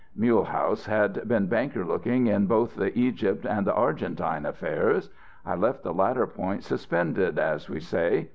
Mulehaus had been banker looking in both the Egypt and the Argentine affairs. I left the latter point suspended, as we say.